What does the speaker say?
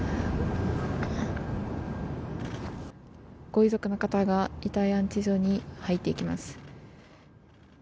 ご遺族の方が遺体安置所に入っていきます。